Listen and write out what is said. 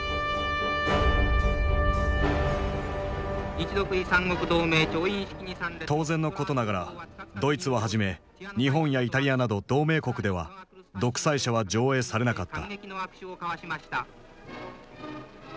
日独伊三国同盟調印式に参列当然のことながらドイツをはじめ日本やイタリアなど同盟国では「独裁者」は上映されなかった。